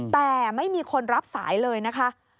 แต่ไม่มีคนรับสายเลยนะคะ